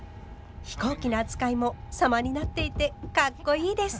飛行機の扱いも様になっていてかっこいいです。